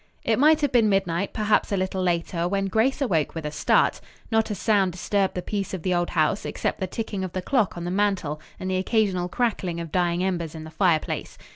It might have been midnight, perhaps a little later when Grace awoke with a start. Not a sound disturbed the peace of the old house except the ticking of the clock on the mantel and the occasional crackling of dying embers in the fireplace.